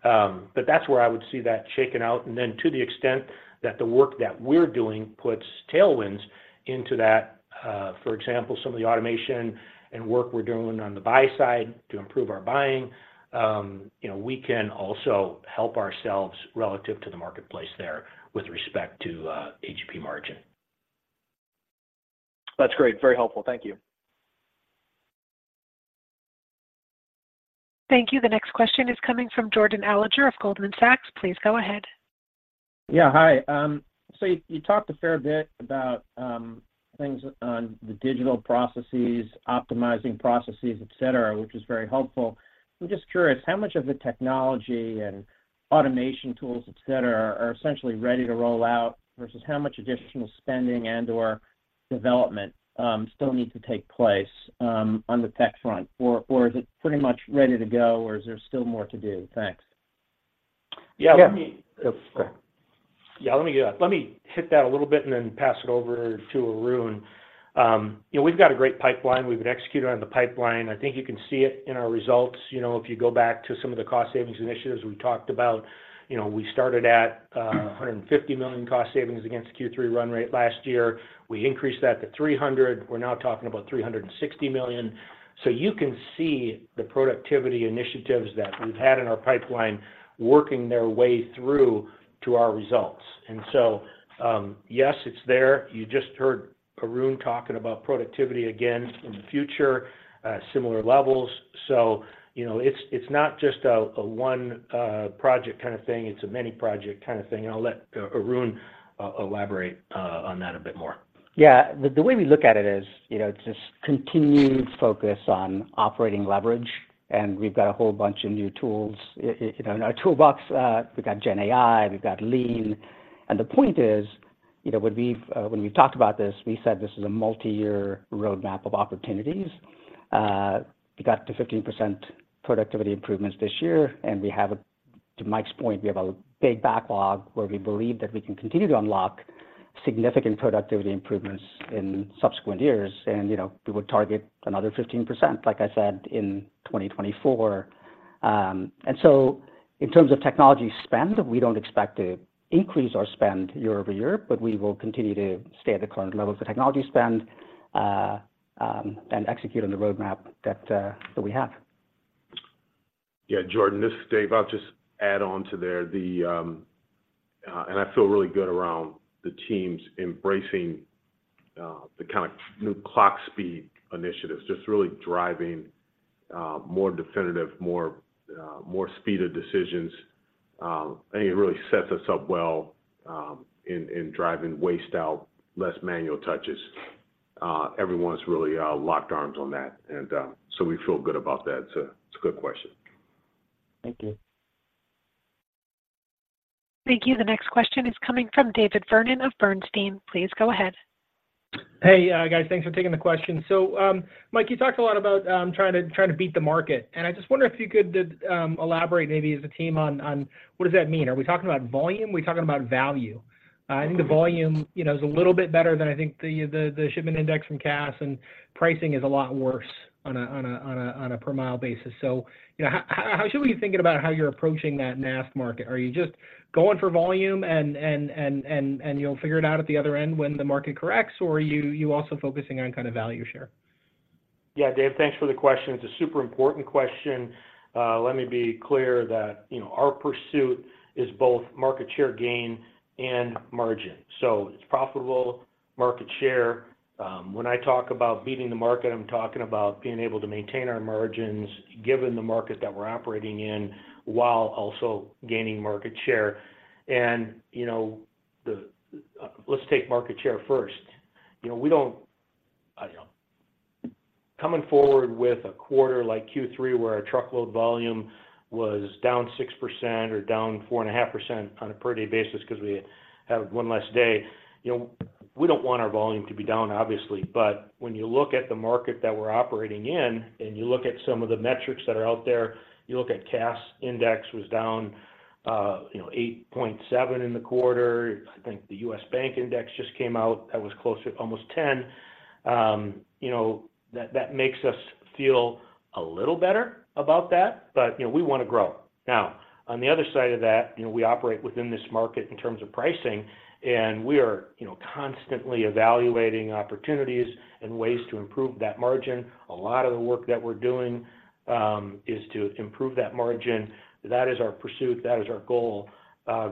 S5: But that's where I would see that shaken out, and then to the extent that the work that we're doing puts tailwinds into that, for example, some of the automation and work we're doing on the buy side to improve our buying, you know, we can also help ourselves relative to the marketplace there with respect to, AGP margin.
S12: That's great. Very helpful. Thank you.
S1: Thank you. The next question is coming from Jordan Alliger of Goldman Sachs. Please go ahead.
S13: Yeah, hi. So you, you talked a fair bit about things on the digital processes, optimizing processes, et cetera, which is very helpful. I'm just curious, how much of the technology and automation tools, et cetera, are essentially ready to roll out versus how much additional spending and/or development still need to take place on the tech front? Or, or is it pretty much ready to go, or is there still more to do? Thanks.
S5: Yeah, let me-
S12: Yeah....
S5: Yeah, let me, let me hit that a little bit and then pass it over to Arun. You know, we've got a great pipeline. We've been executing on the pipeline. I think you can see it in our results. You know, if you go back to some of the cost savings initiatives we talked about, you know, we started at $150 million cost savings against Q3 run rate last year. We increased that $300 million. We're now talking about $360 million. So you can see the productivity initiatives that we've had in our pipeline working their way through to our results. And so, yes, it's there. You just heard Arun talking about productivity again in the future, similar levels. You know, it's not just a one project kind of thing, it's a many project kind of thing. And I'll let Arun elaborate on that a bit more.
S4: Yeah. The way we look at it is, you know, just continued focus on operating leverage, and we've got a whole bunch of new tools in, you know, in our toolbox. We've got GenAI, we've got Lean. And the point is, you know, when we've talked about this, we said this is a multi-year roadmap of opportunities. We got to 15% productivity improvements this year, and we have a-- to Mike's point, we have a big backlog where we believe that we can continue to unlock significant productivity improvements in subsequent years. And, you know, we would target another 15%, like I said, in 2024. And so in terms of technology spend, we don't expect to increase our spend year-over-year, but we will continue to stay at the current levels of technology spend, and execute on the roadmap that we have.
S3: Yeah, Jordan, this is Dave. I'll just add on to there. And I feel really good around the teams embracing the kind of new clock speed initiatives, just really driving more definitive, more more speed of decisions. And it really sets us up well, in, in driving waste out, less manual touches. Everyone's really locked arms on that, and so we feel good about that. So it's a good question.
S13: Thank you.
S1: Thank you. The next question is coming from David Vernon of Bernstein. Please go ahead.
S14: Hey, guys. Thanks for taking the question. So, Mike, you talked a lot about trying to beat the market, and I just wonder if you could elaborate, maybe as a team, on what does that mean? Are we talking about volume? Are we talking about value? I think the volume, you know, is a little bit better than I think the shipment index from Cass, and pricing is a lot worse on a per mile basis. So, you know, how should we be thinking about how you're approaching that NAST market? Are you just going for volume and you'll figure it out at the other end when the market corrects, or are you also focusing on kind of value share?
S5: Yeah, Dave, thanks for the question. It's a super important question. Let me be clear that, you know, our pursuit is both market share gain and margin, so it's profitable market share. When I talk about beating the market, I'm talking about being able to maintain our margins, given the market that we're operating in, while also gaining market share. And, you know, the... Let's take market share first. You know, we don't, I don't know. Coming forward with a quarter like Q3, where our truckload volume was down 6% or down 4.5% on a per day basis because we had one less day, you know, we don't want our volume to be down, obviously. But when you look at the market that we're operating in, and you look at some of the metrics that are out there, you look at Cass Index was down, you know, 8.7 in the quarter. I think the U.S. Bank Index just came out, that was closer to almost 10. You know, that, that makes us feel a little better about that, but, you know, we want to grow. Now, on the other side of that, you know, we operate within this market in terms of pricing, and we are, you know, constantly evaluating opportunities and ways to improve that margin. A lot of the work that we're doing, is to improve that margin. That is our pursuit, that is our goal,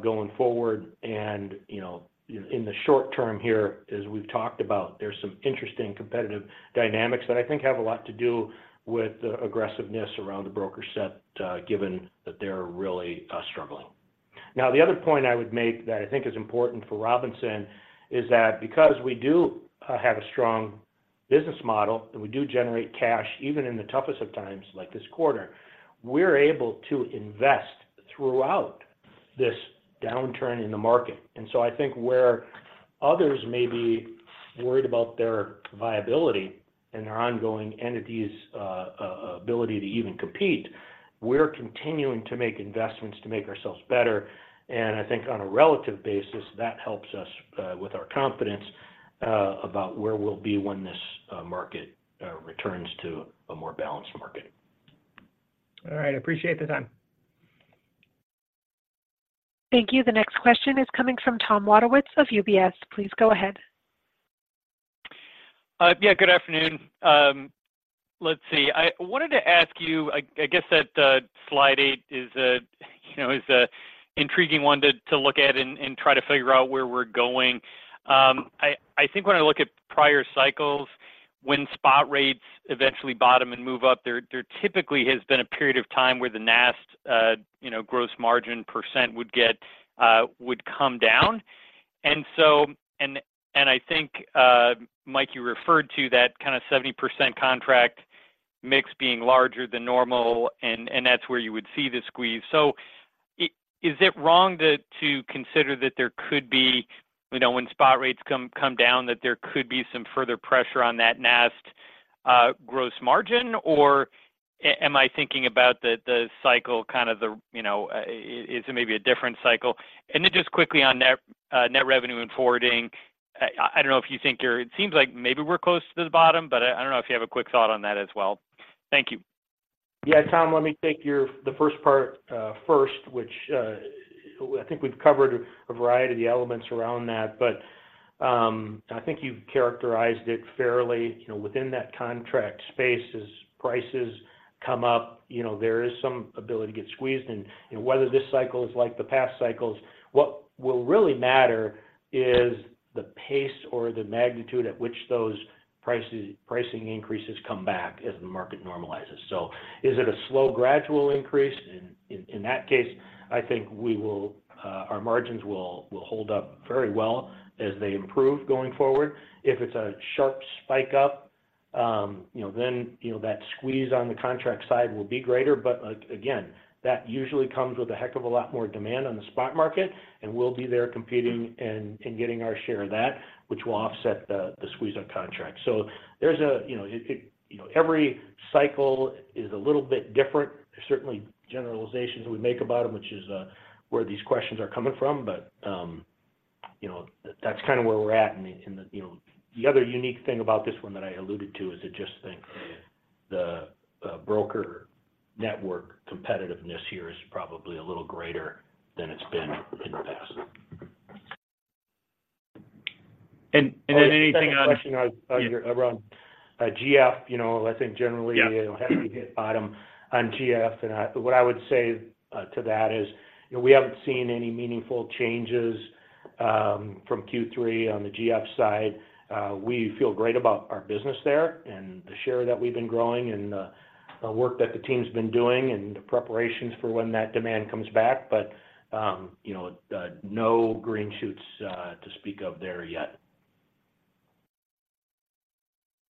S5: going forward. And, you know, in the short term here, as we've talked about, there's some interesting competitive dynamics that I think have a lot to do with the aggressiveness around the broker set, given that they're really struggling. Now, the other point I would make that I think is important for Robinson is that because we do have a strong business model and we do generate cash, even in the toughest of times, like this quarter, we're able to invest throughout this downturn in the market. And so I think where others may be worried about their viability and their ongoing entity's ability to even compete, we're continuing to make investments to make ourselves better. And I think on a relative basis, that helps us with our confidence about where we'll be when this market returns to a more balanced market.
S14: All right. Appreciate the time.
S1: Thank you. The next question is coming from Tom Wadewitz of UBS. Please go ahead.
S15: Yeah, good afternoon. Let's see. I wanted to ask you, I guess that slide eight is a, you know, is a intriguing one to look at and try to figure out where we're going. I think when I look at prior cycles, when spot rates eventually bottom and move up, there typically has been a period of time where the NAST, you know, gross margin % would get would come down. And so and I think, Mike, you referred to that kind of 70% contract mix being larger than normal, and that's where you would see the squeeze. So is it wrong to consider that there could be, you know, when spot rates come down, that there could be some further pressure on that NAST? Gross margin, or am I thinking about the cycle, kind of the, you know, is it maybe a different cycle? And then just quickly on net revenue and forwarding. I don't know if you think you're—it seems like maybe we're close to the bottom, but I don't know if you have a quick thought on that as well. Thank you.
S5: Yeah, Tom, let me take your the first part first, which I think we've covered a variety of the elements around that. But I think you've characterized it fairly. You know, within that contract space, as prices come up, you know, there is some ability to get squeezed. And, you know, whether this cycle is like the past cycles, what will really matter is the pace or the magnitude at which those pricing increases come back as the market normalizes. So is it a slow, gradual increase? In that case, I think our margins will hold up very well as they improve going forward. If it's a sharp spike up, you know, then, you know, that squeeze on the contract side will be greater. But, again, that usually comes with a heck of a lot more demand on the spot market, and we'll be there competing and getting our share of that, which will offset the squeeze on contracts. So there's a, you know, every cycle is a little bit different. There's certainly generalizations we make about them, which is where these questions are coming from, but, you know, that's kind of where we're at in the, in the. You know, the other unique thing about this one that I alluded to is I just think the broker network competitiveness here is probably a little greater than it's been in the past.
S15: And then anything on-
S5: The second question on your around GF, you know, I think generally-
S15: Yeah...
S5: you have to hit bottom on GF. And I—what I would say to that is, you know, we haven't seen any meaningful changes from Q3 on the GF side. We feel great about our business there, and the share that we've been growing, and the work that the team's been doing, and the preparations for when that demand comes back, but, you know, no green shoots to speak of there yet.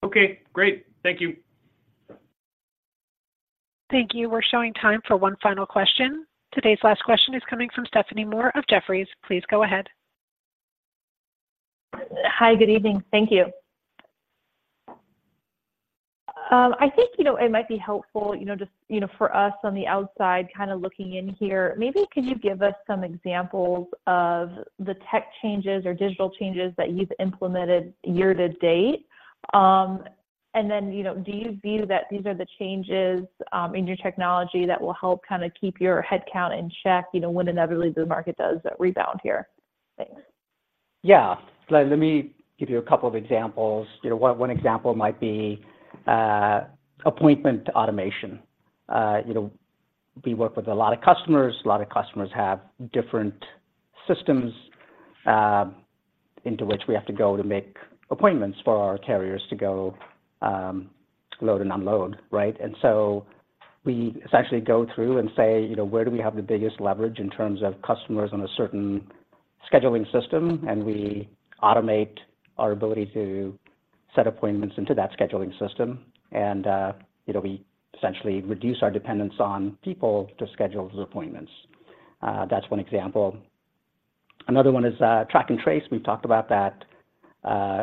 S15: Okay, great. Thank you.
S1: Thank you. We're showing time for one final question. Today's last question is coming from Stephanie Moore of Jefferies. Please go ahead.
S16: Hi, good evening. Thank you. I think, you know, it might be helpful, you know, just, you know, for us on the outside, kind of looking in here, maybe could you give us some examples of the tech changes or digital changes that you've implemented year to date? And then, you know, do you view that these are the changes in your technology that will help kind of keep your headcount in check, you know, when inevitably the market does rebound here? Thanks.
S4: Yeah. Let me give you a couple of examples. You know, one example might be appointment automation. You know, we work with a lot of customers. A lot of customers have different systems into which we have to go to make appointments for our carriers to go load and unload, right? And so we essentially go through and say, you know, "Where do we have the biggest leverage in terms of customers on a certain scheduling system?" And we automate our ability to set appointments into that scheduling system. And you know, we essentially reduce our dependence on people to schedule those appointments. That's one example. Another one is track and trace. We talked about that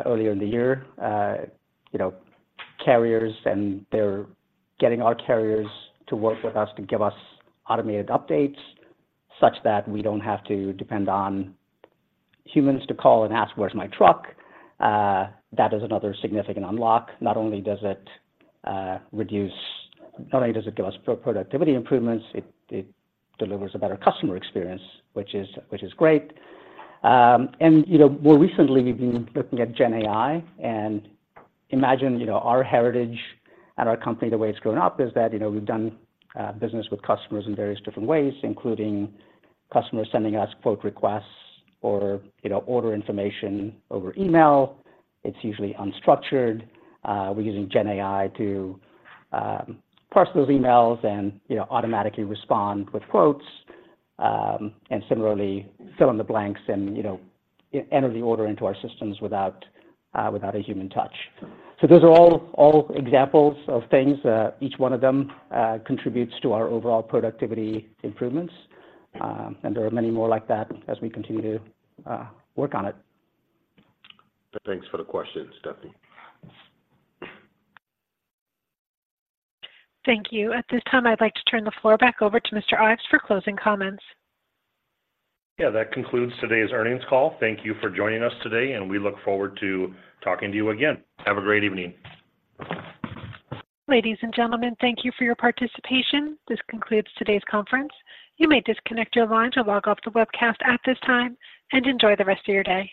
S4: earlier in the year. You know, carriers, and they're getting our carriers to work with us to give us automated updates, such that we don't have to depend on humans to call and ask, "Where's my truck?" That is another significant unlock. Not only does it, not only does it give us productivity improvements, it, it delivers a better customer experience, which is, which is great. And, you know, more recently, we've been looking at GenAI. And imagine, you know, our heritage at our company, the way it's grown up, is that, you know, we've done business with customers in various different ways, including customers sending us quote requests or, you know, order information over email. It's usually unstructured. We're using GenAI to parse those emails and, you know, automatically respond with quotes, and similarly, fill in the blanks and, you know, enter the order into our systems without a human touch. So those are all examples of things, each one of them contributes to our overall productivity improvements, and there are many more like that as we continue to work on it.
S3: Thanks for the question, Stephanie.
S1: Thank you. At this time, I'd like to turn the floor back over to Mr. Ives for closing comments.
S2: Yeah, that concludes today's earnings call. Thank you for joining us today, and we look forward to talking to you again. Have a great evening.
S1: Ladies and gentlemen, thank you for your participation. This concludes today's conference. You may disconnect your lines or log off the webcast at this time, and enjoy the rest of your day.